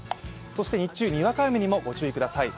そして日中にわか雨にも御注意ください。